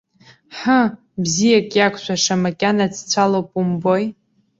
Ҳы, бзиак иақәшәаша, макьана дцәалоуп умбои!